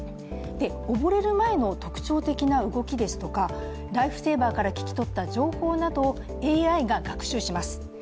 溺れる前の特徴的な動きですとか、ライフセーバーから聞き取った情報などをＡＩが学習します。